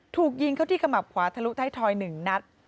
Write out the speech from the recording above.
ถูกยิงเข้าที่ขมับขวาทะลุท้ายทอย๑นัด